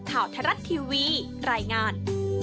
ข่าวทรัศน์ทีวีรายงาน